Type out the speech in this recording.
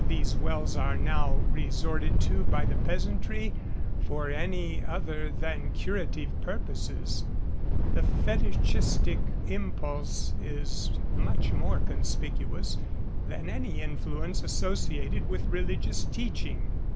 Indeed in the majority of cases where these wells are now resorted to by the peasantry for any other than curative purposes, the fetichistic impulse is much more conspicuous than any influence associated with religious teaching.